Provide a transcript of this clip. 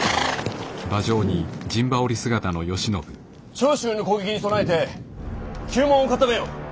長州の攻撃に備えて九門を固めよ！